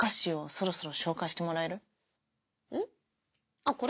あっこれ？